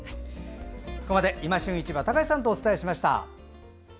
ここまで「いま旬市場」高橋さんとお伝えしました。